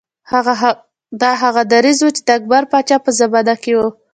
دا هغه دریځ و چې د اکبر پاچا په زمانه کې و.